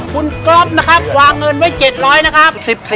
คุณก๊อฟนะครับวางเงินไว้๗๐๐นะครับ